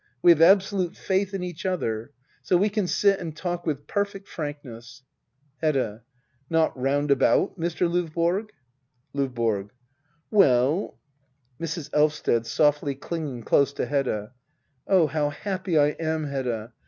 We have absolute faith in each other ; so we can sit and talk with perfect frankness Hedda. Not round about, Mr. Lovborg ^ LQvboro. Well Mrs. Elvsted. [Softly clinging close to Hedda.] Oh, how happy I am, Hedda